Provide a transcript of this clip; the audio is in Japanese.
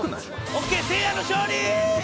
オッケーせいやの勝利！